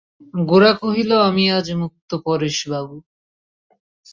গোরা কহিল, আমি আজ মুক্ত পরেশবাবু!